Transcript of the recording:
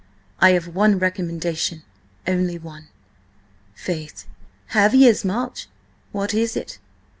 I have one recommendation–only one." "Faith, have ye as much? What is it?"